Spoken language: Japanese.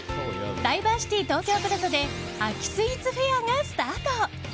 ダイバーシティ東京プラザで秋スイーツフェアがスタート。